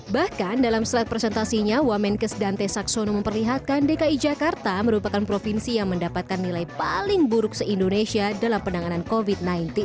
bahkan dalam slide presentasinya wamenkes dante saxono memperlihatkan dki jakarta merupakan provinsi yang mendapatkan nilai paling buruk se indonesia dalam penanganan covid sembilan belas